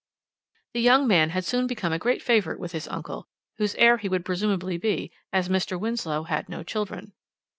"The young man had soon become a great favourite with his uncle, whose heir he would presumably be, as Mr. Winslow had no children.